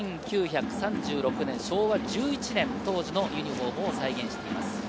１９３６年、昭和１１年、当時のユニホームを再現しています。